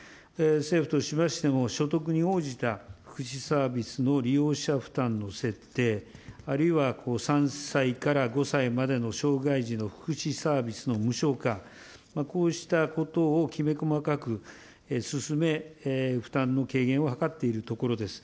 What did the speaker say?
政府としましても、所得に応じた福祉サービスの利用者負担の設定、あるいは３歳から５歳までの障害児の福祉サービスの無償化、こうしたことをきめ細かく進め、負担の軽減を図っているところです。